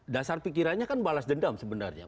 dasar pikirannya kan balas dendam sebenarnya